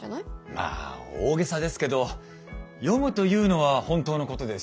まあ大げさですけど「読む」というのは本当のことですし。